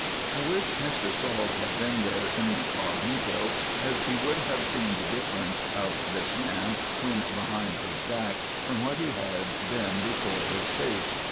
I wish Mr. Salt had been there incog, as he would have seen the difference of this man when behind his back, from what it had been before his face.